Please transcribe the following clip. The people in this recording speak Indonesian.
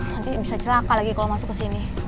nanti bisa celaka lagi kalau masuk ke sini